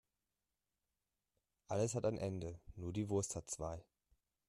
Alles hat ein Ende, nur die Wurst hat zwei.